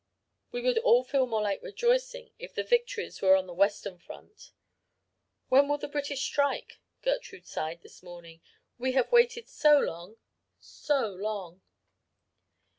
We would all feel more like rejoicing if the victories were on the western front. 'When will the British strike?' Gertrude sighed this morning. 'We have waited so long so long.'